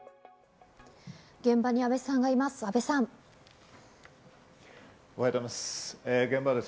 現場に阿部さんがいます。